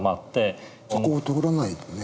そこを通らないとね。